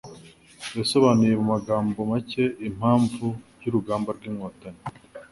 yasobanuye mu magambo make impamvu y'urugamba rw'Inkotanyi